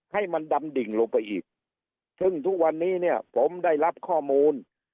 ให้มันดำดิ่งลงไปอีกซึ่งทุกวันนี้เนี่ยผมได้รับข้อมูล